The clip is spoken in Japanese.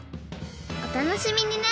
おたのしみにね！